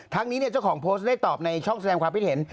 นี้เจ้าของโพสต์ได้ตอบในช่องแสดงความคิดเห็น